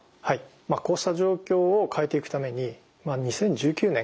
こうした状況を変えていくために２０１９年からですね